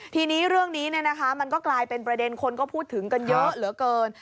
ทีนี้เรื่องนี้มันก็กลายเป็นประเด็นคนก็พูดถึงกันเยอะเหลือเกิน